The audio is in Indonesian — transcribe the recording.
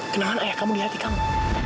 kenalan ayah kamu di hati kamu